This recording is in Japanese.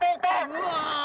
うわ。